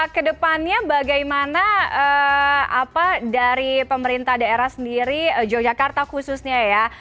kedepannya bagaimana dari pemerintah daerah sendiri yogyakarta khususnya ya